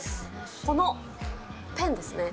このペンですね。